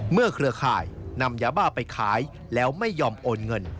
เครือข่ายนำยาบ้าไปขายแล้วไม่ยอมโอนเงิน